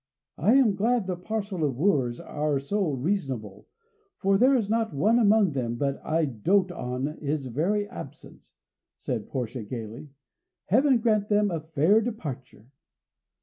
"I am glad the parcel of wooers are so reasonable, for there is not one among them but I doat on his very absence!" said Portia gaily. "Heaven grant them a fair departure!"